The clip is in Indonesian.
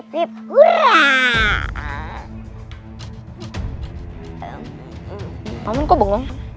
paman kok bengong